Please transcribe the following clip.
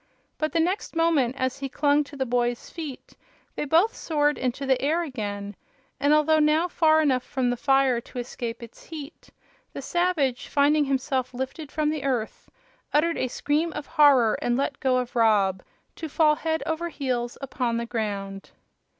But the next moment, as he clung to the boy's feet, they both soared into the air again, and, although now far enough from the fire to escape its heat, the savage, finding himself lifted from the earth, uttered a scream of horror and let go of Rob, to fall head over heels upon the ground.